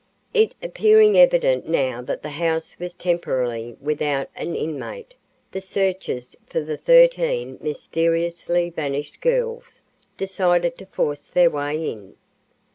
It appearing evident now that the house was temporarily without an inmate, the searchers for the thirteen mysteriously vanished girls decided to force their way in.